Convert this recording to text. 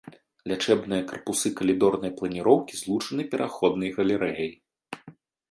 Лячэбныя карпусы калідорнай планіроўкі злучаны пераходнай галерэяй.